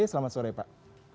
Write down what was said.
selamat sore pak